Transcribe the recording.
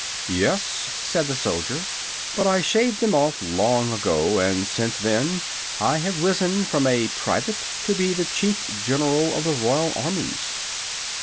"Yes," said the soldier; "but I shaved them off long ago, and since then I have risen from a private to be the Chief General of the Royal Armies."